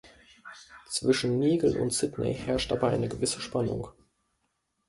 Zwischen Nigel und Sydney herrscht aber eine gewisse Spannung.